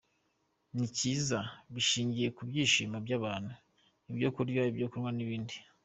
Ni cyiza bishingiye ku byishimo by’abantu, ibyo kurya, ibyo kunywa n’ibindi”.